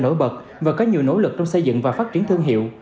nổi bật và có nhiều nỗ lực trong xây dựng và phát triển thương hiệu